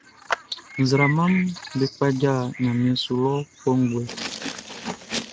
Nzraamaʼm be kpaja ɲanmiɛn su lɔ kɔnguɛ.